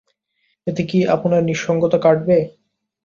এতে কী আপনার নিঃসঙ্গতা কাটবে?